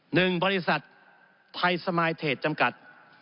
หนึ่งบริษัทไทยสมายเทจจำกัด